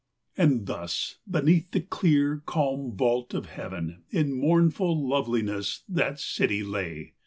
XVIII. And thus, beneath the clear, calm, vault of heaven In mournful loveliness that city lay.